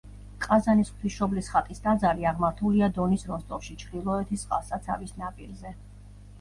ყაზანის ღვთისმშობლის ხატის ტაძარი აღმართულია დონის როსტოვში ჩრდილოეთის წყალსაცავის ნაპირზე.